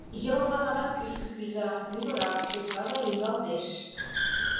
Ероплан адак кӱшкӧ кӱза, мӱгыра, шепка гай лӱҥгалтеш.